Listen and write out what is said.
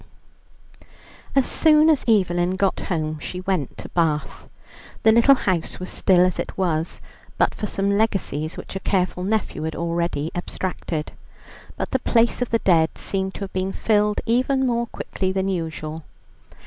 As soon as Evelyn got home, she went to Bath. The little house was still as it was, but for some legacies which a careful nephew had already abstracted. But the place of the dead seemed to have been filled even more quickly than usual.